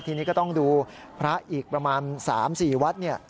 ทีนี้ก็ต้องดูพระอีกประมาณ๓๔วัดเนี่ย